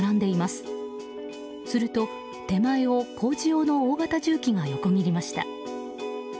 すると、手前を工事用の大型重機が横ぎりました。